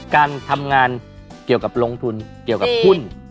การทำงานเกี่ยวกับลงทุนเกี่ยวกับหุ้น